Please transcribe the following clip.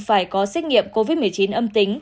phải có xét nghiệm covid một mươi chín âm tính